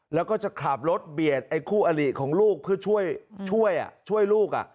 แล้วก็จะขับรถเบียดไอ้คู่อลิของลูกเพื่อช่วยลูก